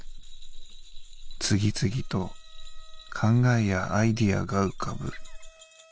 次々と考えやアイデアが浮かぶ」。